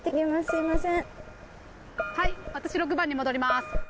私６番に戻ります。